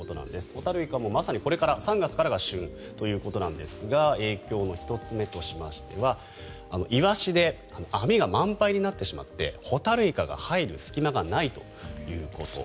ホタルイカもまさにこれから３月からが旬ということですが影響の１つ目としましてはイワシで網が満杯になってしまってホタルイカが入る隙間がないということ。